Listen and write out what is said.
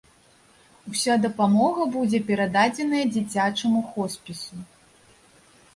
Уся дапамога будзе перададзеная дзіцячаму хоспісу.